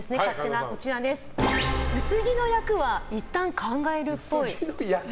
薄着の役はいったん考えるっぽい。